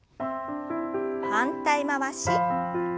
反対回し。